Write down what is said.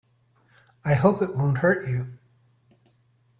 I hope it won't hurt you.